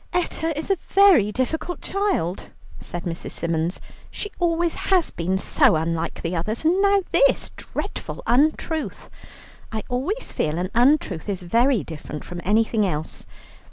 "Etta is a very difficult child," said Mrs. Symons; "she always has been so unlike the others, and now this dreadful untruth. I always feel an untruth is very different from anything else.